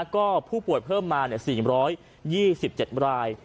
ก็ผู้ป่วยเพิ่มมา๔๒๗ราย